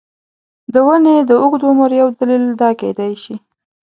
د ونې د اوږد عمر یو دلیل دا کېدای شي.